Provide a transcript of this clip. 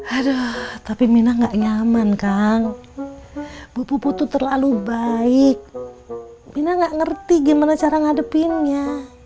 aduh tapi minang gak nyaman kang bubut tuh terlalu baik minang gak ngerti gimana cara ngadepinnya